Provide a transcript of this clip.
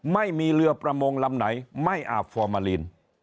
ไม่มีเรือประมงลำไหนไม่อาบฟอร์มาลีน